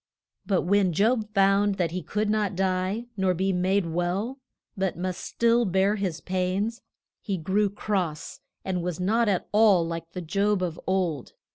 But when Job found that he could not die, nor be made well, but must still bear his pains, he grew cross, and was not at all like the Job of old.